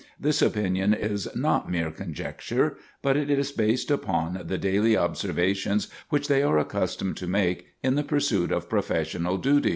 This opinion is not mere conjecture, but it is based upon the daily observations which they are accustomed to make in the pursuit of professional duties.